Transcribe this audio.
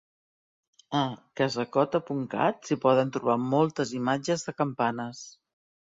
A casacota.cat s'hi poden trobar moltes imatges de campanes.